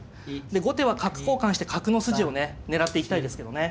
で後手は角交換して角の筋をね狙っていきたいですけどね。